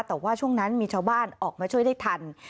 แต่ว่าช่วงนั้นมีชาวบ้านออกมาช่วยได้ทัน